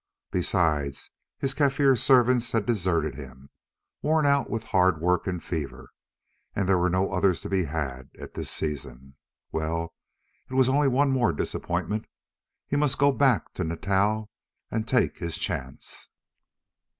Besides, his Kaffir servants had deserted him, worn out with hard work and fever, and there were no others to be had at this season. Well, it was only one more disappointment; he must go back to Natal and take his chance.